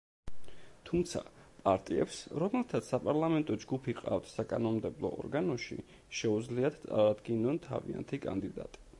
თუმცა, პარტიებს, რომელთაც საპარლამენტო ჯგუფი ჰყავთ საკანონმდებლო ორგანოში, შეუძლიათ წარადგინონ თავიანთი კანდიდატი.